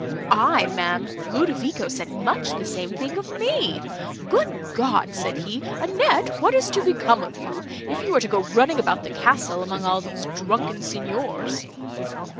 "Aye, ma'am, Ludovico said much the same thing of me. 'Good God!' said he, 'Annette, what is to become of you, if you are to go running about the castle among all these drunken Signors?